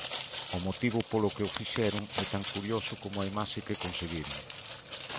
O motivo polo que o fixeron é tan curioso coma a imaxe que conseguiron.